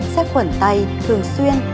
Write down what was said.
xác quẩn tay thường xuyên